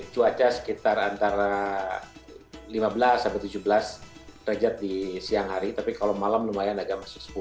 cuaca sekitar antara lima belas sampai tujuh belas derajat di siang hari tapi kalau malam lumayan agak masuk sepuluh